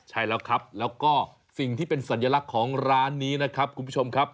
ใช่แล้วครับแล้วก็สิ่งที่เป็นสัญลักษณ์ของร้านนี้นะครับคุณผู้ชมครับ